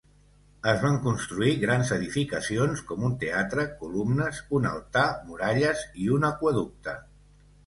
Es van construir grans edificacions com un teatre, columnes, un altar, muralles i un aqüeducte.